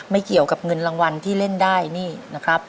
ไม่เกี่ยวกับเงินรางวัลที่เล่นได้นี่นะครับ